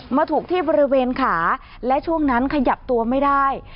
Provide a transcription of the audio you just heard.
มาถูกที่บริเวณขาและช่วงนั้นขยับตัวไม่ได้